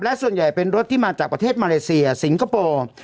และส่วนใหญ่เป็นรถที่มาจากประเทศมาเลเซียสิงคโปร์